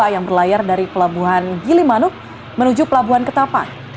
yang berlayar dari pelabuhan gilimanuk menuju pelabuhan ketapang